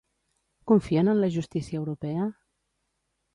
Confien en la justícia europea?